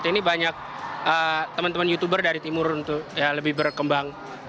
jadi ini banyak teman teman youtuber dari timur untuk lebih berkembang